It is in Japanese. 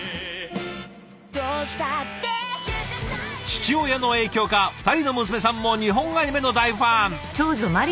父親の影響か２人の娘さんも日本アニメの大ファン。